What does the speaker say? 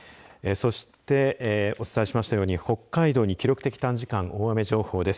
そして、お伝えしましたように北海道に記録的短時間大雨情報です。